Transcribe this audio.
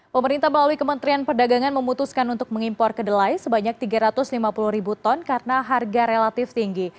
pemerintah melalui kementerian perdagangan memutuskan untuk mengimpor kedelai sebanyak tiga ratus lima puluh ribu ton karena harga relatif tinggi